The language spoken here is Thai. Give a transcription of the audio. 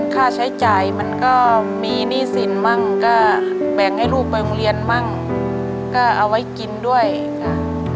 ค่าใช้จ่ายมันก็มีหนี้สินมั่งก็แบ่งให้ลูกไปโรงเรียนมั่งก็เอาไว้กินด้วยค่ะ